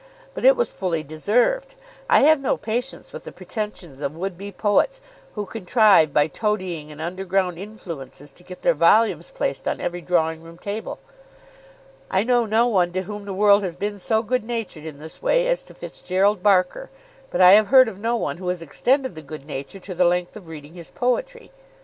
But it was fully deserved. I have no patience with the pretensions of would be poets who contrive by toadying and underground influences to get their volumes placed on every drawing room table. I know no one to whom the world has been so good natured in this way as to Fitzgerald Barker, but I have heard of no one who has extended the good nature to the length of reading his poetry.